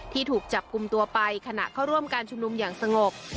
ถูกจับกลุ่มตัวไปขณะเข้าร่วมการชุมนุมอย่างสงบ